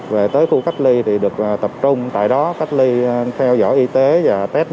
về tới khu cách ly thì được tập trung tại đó cách ly theo dõi y tế và tết